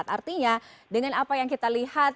artinya dengan apa yang kita lihat hari ini